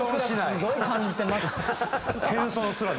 すごい感じてます。